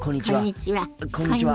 こんにちは。